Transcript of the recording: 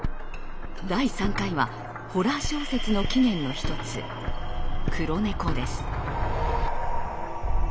第３回はホラー小説の起源の一つ「黒猫」です。